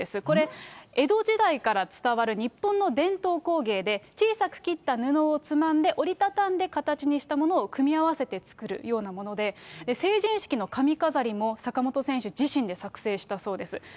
これ、江戸時代から伝わる日本の伝統工芸で、小さく切った布をつまんで、折り畳んで、形にしたものを組み合わせて作るようなもので、成人式の髪飾りも坂本選手自身で作成したそうです。